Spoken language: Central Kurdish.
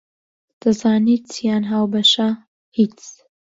دەزانیت چیان هاوبەشە؟ هیچ!